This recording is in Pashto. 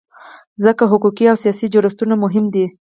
ځکه حقوقي او سیاسي جوړښتونه مهم دي.